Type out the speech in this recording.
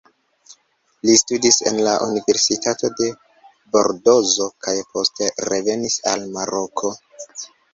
Li studis en la Universitato de Bordozo kaj poste revenis al Maroko.